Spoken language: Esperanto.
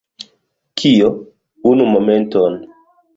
Kio? Unu momenton